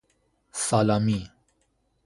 سالامی